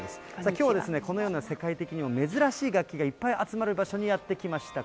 きょうはこのような世界的にも珍しい楽器がいっぱい集まる場所にやって来ました。